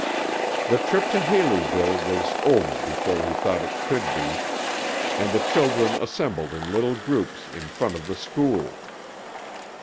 The trip to Haleyville was over before he thought it could be, and the children assembled in little groups in front of the school.